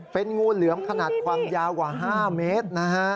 เป็นงูเหลือมขนาดความยาวกว่า๕เมตรนะฮะ